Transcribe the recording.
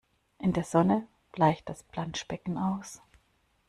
In der Sonne bleicht das Planschbecken aus.